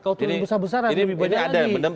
kalau turun besar besaran lebih banyak lagi